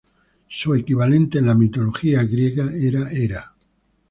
Su equivalente en la mitología griega era Hera.